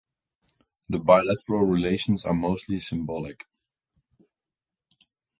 The bilateral relations are mostly symbolic.